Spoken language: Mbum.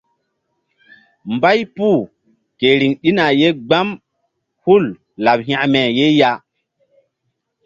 Mbay puh ke riŋ ɗina ye gbam hul laɓ hekme ye ya.